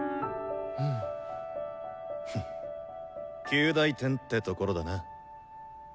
及第点ってところだな。